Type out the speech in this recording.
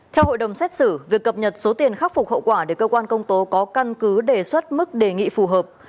theo hội đồng xét xử việc cập nhật số tiền khắc phục hậu quả để cơ quan công tố có căn cứ đề xuất mức đề nghị phù hợp